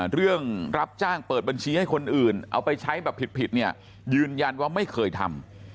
เรื่องรับจ้างเปิดบัญชีให้คนอื่นเอาไปใช้แบบผิดเนี่ยยืนยันว่าไม่เคยทำ